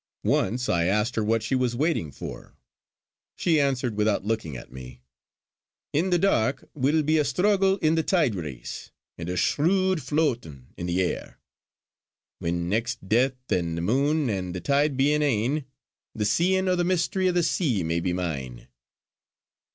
Once I asked her what she was waiting for; she answered without looking at me: "In the dark will be a struggle in the tide race, and a shrood floatin' in the air! When next death an' the moon an' the tide be in ane, the seein' o' the Mystery o' the Sea may be mine!"